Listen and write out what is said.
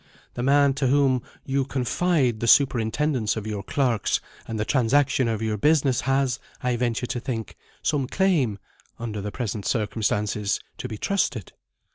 The man to whom you confide the superintendence of your clerks and the transaction of your business has, I venture to think, some claim (under the present circumstances) to be trusted."